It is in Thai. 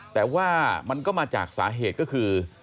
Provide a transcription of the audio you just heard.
แต่ว่ามันก็มาจากสาเหตุก็คือ